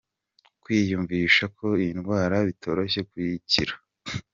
Kwiyumvisha ko iyi ndwara bitoroshye kuyikira.